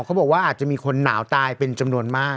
เขาบอกว่าอาจจะมีคนหนาวตายเป็นจำนวนมาก